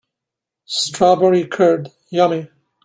Strawberry curd, yummy!